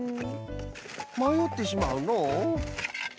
まよってしまうのう。